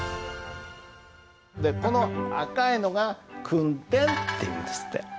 でこの赤いのが「訓点」っていうんですって。